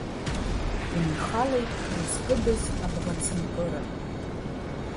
Унхалеит узкыдыз абӷацымкыра.